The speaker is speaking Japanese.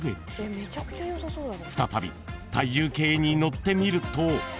［再び体重計に乗ってみると］